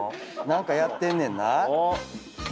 何かやってんねんな。